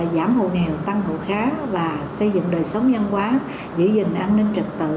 giảm hồ nghèo tăng hồ khá và xây dựng đời sống nhân hóa giữ gìn an ninh trật tự